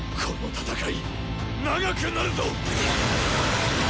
この戦い長くなるぞ！